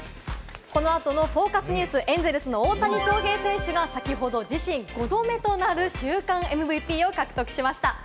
この後のＦＯＣＵＳニュース、エンゼルス・大谷翔平選手が先ほど自身５度目となる週間ＭＶＰを獲得しました。